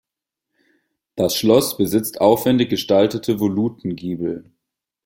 Das Schloss besitzt aufwändig gestaltete Volutengiebel.